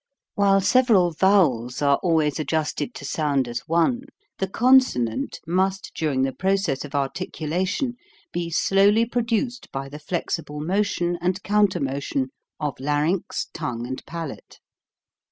While several vowels are always adjusted to sound as one, the consonant must during the process of PRONUNCIATION. CONSONANTS 275 articulation, be slowly produced by the flexible motion and countermotion of larynx, tongue, and palate.